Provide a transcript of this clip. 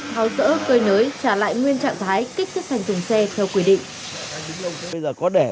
tháo dỡ cơi nới trả lại nguyên trạng thái kích thước thành thùng xe theo quy định